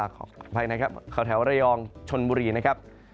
ขออภัยนะครับแถวระยองชนบุรีนะครับ